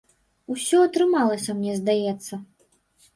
Усё атрымалася, мне здаецца.